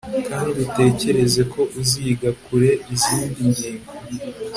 kandi utekereze ko uziga kure izindi ngingo